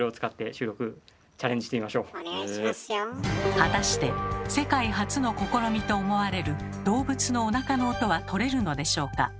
果たして世界初の試みと思われる動物のおなかの音はとれるのでしょうか。